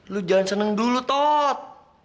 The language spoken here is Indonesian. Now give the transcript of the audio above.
lu jangan seneng dulu tot